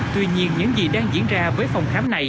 tuy nhiên những gì đang diễn ra với phòng khám này